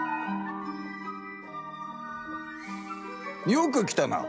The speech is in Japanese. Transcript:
よく来たな。